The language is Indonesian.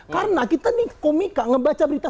karena kita nih komika ngebaca berita